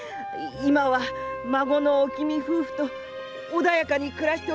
今は孫のおきみ夫婦と穏やかに暮らしております